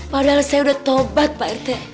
padahal saya sudah tobat pak rt